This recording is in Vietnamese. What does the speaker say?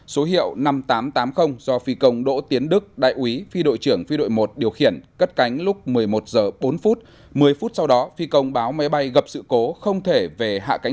số hiệu năm nghìn tám trăm tám mươi bốn và tổ chức bay huấn luyện ngay tại sân bay đà nẵng